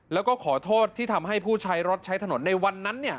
แล้วก็ขอโทษที่ทำให้ผู้ใช้รถใช้ถนนในวันนั้น